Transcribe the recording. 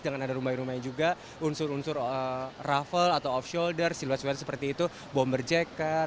dengan ada rumbai rumbai juga unsur unsur ruffle atau off shoulder siluet seperti itu bomber jacket